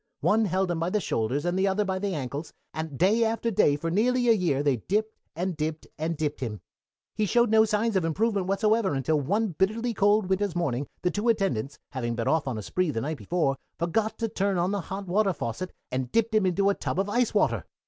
One held him by the shoulders and the other by the ankles, and day after day for nearly a year they dipped, and dipped, and dipped him. He showed no signs of improvement whatsoever until one bitterly cold winter's morning, the two attendants, having been off on a spree the night before, forgot to turn on the hot water faucet and dipped him into a tub of ice water!